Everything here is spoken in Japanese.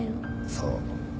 そう。